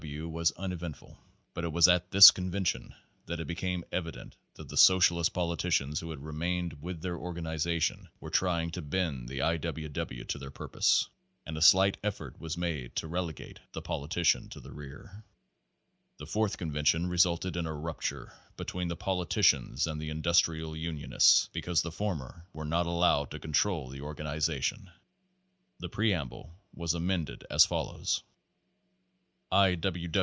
W. was unevent ful. But it was at this convention that it became evi dent that the socialist politicians who had remained with the organization were trying to bend the I. W. W. to their purpose ; and a slight effort was made to rele gate the politician to the rear. The Fourth convention resulted in a rupture be tween the politicians and industrial unionists because the former were not allowed to control the organization. The Preamble was amended as follows : I.